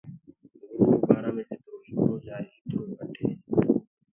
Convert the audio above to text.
گُرو بآرآ مي جِترو لِکرو جآئي اُترو گھٽ هي۔